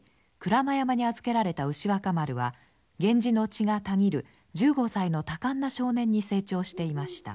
鞍馬山に預けられた牛若丸は源氏の血がたぎる１５歳の多感な少年に成長していました。